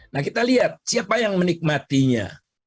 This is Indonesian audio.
nah kita lihat siapa yang menikmatinya